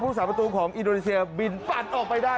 สาประตูของอินโดนีเซียบินปั่นออกไปได้